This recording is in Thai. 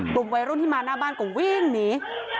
กลุ่มวัยรุ่นที่มาหน้าบ้านก็วิ่งหนี